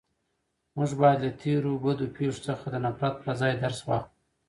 موږ باید له تېرو بدو پېښو څخه د نفرت په ځای درس واخلو.